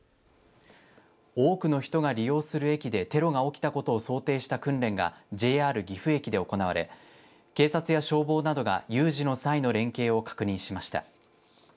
多くの人が利用する駅でテロが起きたことを想定した訓練がＪＲ岐阜駅で行われ警察や消防などが有事の際の連携を確認しました。